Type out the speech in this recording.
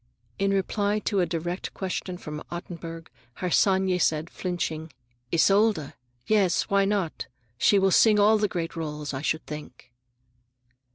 In reply to a direct question from Ottenburg, Harsanyi said, flinching, "Isolde? Yes, why not? She will sing all the great roles, I should think."